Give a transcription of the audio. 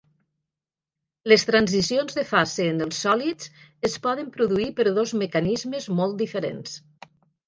Les transicions de fase en els sòlids es poden produir per dos mecanismes molt diferents.